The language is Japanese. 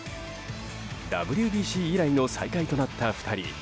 ＷＢＣ以来の再会となった２人。